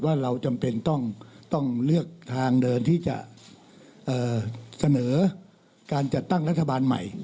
เราจำเป็นต้องเลือกทางเดินที่จะเสนอการจัดตั้งรัฐบาลใหม่